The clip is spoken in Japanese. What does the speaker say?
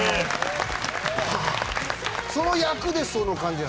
その役でその感じ。